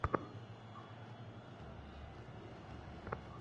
Team performance প্রধানের চাকরিটিও তাঁর জন্য খুব একটা খারাপ হবে না।